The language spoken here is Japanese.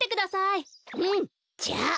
うんじゃあ。